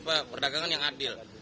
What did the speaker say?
perdagangan yang adil